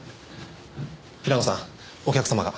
平野さんお客様が。